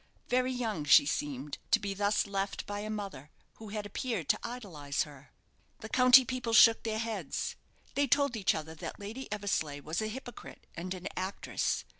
Very young, she seemed, to be thus left by a mother who had appeared to idolize her. The county people shook their heads. They told each other that Lady Eversleigh was a hypocrite and an actress.